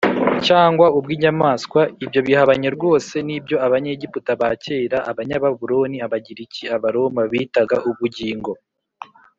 cyangwa ubw inyamaswa Ibyo bihabanye rwose n ibyo Abanyegiputa ba kera Abanyababuloni Abagiriki Abaroma bitaga ubugingo